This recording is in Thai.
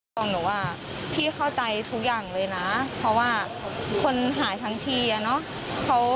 บอกหนูว่าพี่เข้าใจทุกอย่างเลยนะเพราะว่าคนหายทั้งทีอะเนาะ